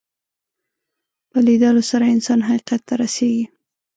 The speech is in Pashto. په لیدلو سره انسان حقیقت ته رسېږي